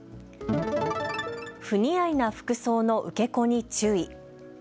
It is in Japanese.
不似合いな服装の受け子に注意。